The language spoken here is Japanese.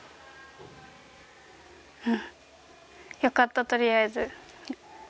うんよかったとりあえず。